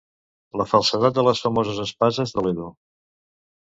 La falsedat de les famoses espases de Toledo.